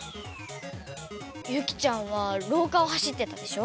ユキちゃんはろうかをはしってたでしょ？